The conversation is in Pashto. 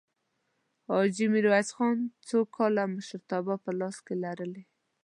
حاجي میرویس خان څو کاله مشرتابه په لاس کې لرلې؟